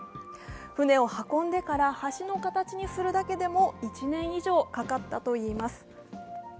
船で運んでから橋の形にするだけでも１年以上かかったといいます。